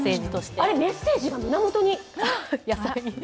あれっメッセージが胸元に！